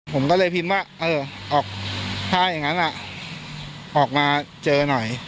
ผมก็เลยพิมพ์ว่าเออออกถ้าอย่างนั้นออกมาเจอหน่อย